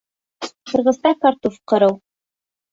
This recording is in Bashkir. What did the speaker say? Ҡырғыста картуф ҡырыу